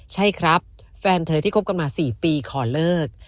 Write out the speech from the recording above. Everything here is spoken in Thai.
ใช่ครับแฟนเธอที่คบกันมา๔ปีขอเลิก